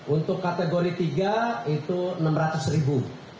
untuk kategori tiga itu enam ratus ribu